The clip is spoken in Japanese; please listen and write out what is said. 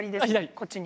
こっちに。